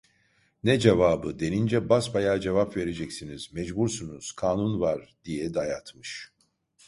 Ne cevabı, denince: "Basbayağı cevap vereceksiniz! Mecbursunuz! Kanun var!" diye dayatmış.